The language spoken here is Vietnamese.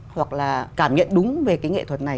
hoặc là cảm nhận đúng về cái nghệ thuật này